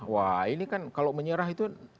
wah ini kan kalau menyerah itu